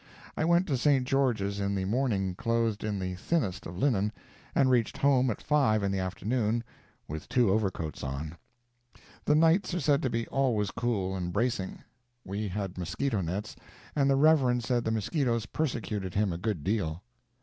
I went to St. George's in the morning clothed in the thinnest of linen, and reached home at five in the afternoon with two overcoats on. The nights are said to be always cool and bracing. We had mosquito nets, and the Reverend said the mosquitoes persecuted him a good deal.